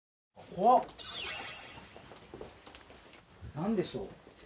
何でしょう。